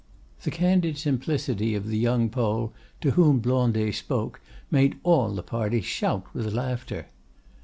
The candid simplicity of the young Pole, to whom Blondet spoke, made all the party shout with laughter.